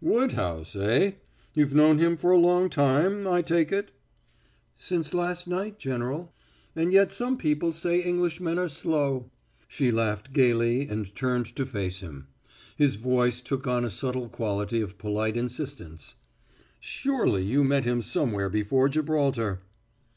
"Woodhouse, eh? You've known him for a long time, I take it." "Since last night, General. And yet some people say Englishmen are slow." She laughed gaily and turned to face him. His voice took on a subtle quality of polite insistence: "Surely you met him somewhere before Gibraltar."